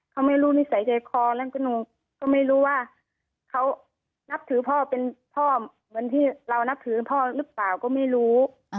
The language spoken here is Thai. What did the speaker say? เขาไม่รู้นิสัยใจคอแล้วก็หนูก็ไม่รู้ว่าเขานับถือพ่อเป็นพ่อเหมือนที่เรานับถือพ่อหรือเปล่าก็ไม่รู้